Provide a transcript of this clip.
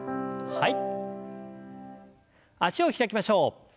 はい。